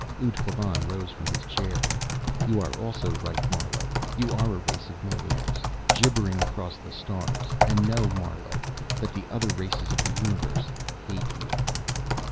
Ud Klavan rose from his chair. "You are also right, Marlowe. You are a race of maniacs, gibbering across the stars. And know, Marlowe, that the other races of the universe hate you."